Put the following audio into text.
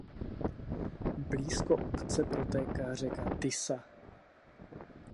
Blízko obce protéká řeka Tisa.